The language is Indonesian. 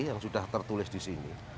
yang sudah tertulis di sini